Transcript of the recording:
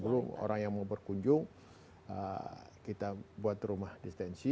sebelum orang yang mau berkunjung kita buat rumah detensi